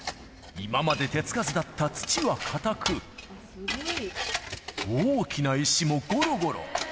今まで手付かずだった土は固く、大きな石もごろごろ。